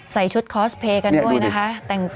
ใส่ชุดคอสเพลย์กันด้วยนะคะแต่งตัว